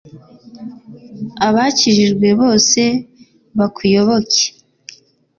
abakijijwe bose bakuyoboke